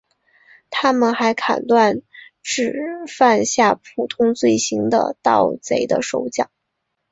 他们还砍断只犯下普通罪行的盗贼的手脚。